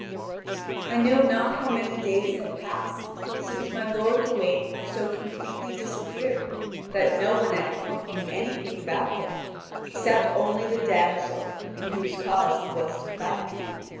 (Vv. 5872 5924.) I know not how many days had passed since my lord Gawain had so completely disappeared that no one at court knew anything about him, except only the damsel in whose cause he was to fight.